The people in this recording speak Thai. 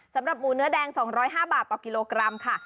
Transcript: สำหรับหมูเนื้อแดง๒๐๕บาทต่อกิโลกรัมค่ะ